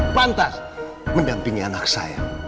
apakah dia pantas mendampingi anak saya